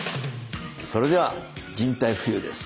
それでは人体浮遊です。